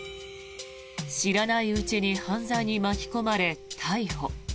知らないうちに犯罪に巻き込まれ逮捕。